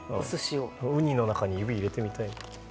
ウニの中に指を入れてみたい。